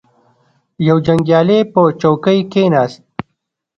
یو جنګیالی په چوکۍ کښیناست.